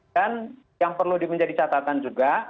dan yang perlu dimenjadi catatan juga